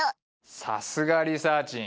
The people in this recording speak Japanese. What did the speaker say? さすがリサーちん